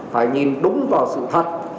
phải nhìn đúng vào sự thật